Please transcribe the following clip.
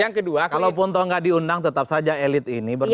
yang kedua kalau pontongga diundang tetap saja elit ini berdepan